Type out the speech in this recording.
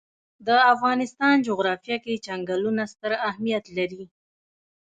د افغانستان جغرافیه کې چنګلونه ستر اهمیت لري.